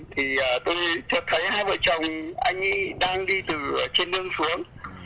thì tôi thấy hai vợ chồng anh đang đi từ trên đường xuống